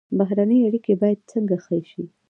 بهرنۍ اړیکې باید څنګه ښې شي؟